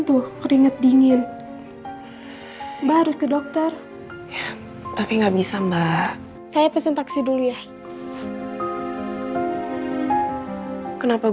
uso itu karenanya karenanya kerenar